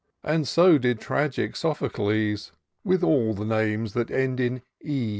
And so did Tragic Sophocles, With all the names that end in 17^.